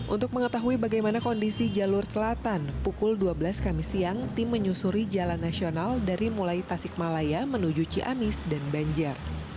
untuk mengetahui bagaimana kondisi jalur selatan pukul dua belas kami siang tim menyusuri jalan nasional dari mulai tasikmalaya menuju ciamis dan banjar